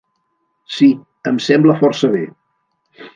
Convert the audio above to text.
Sí, em sembla força bé.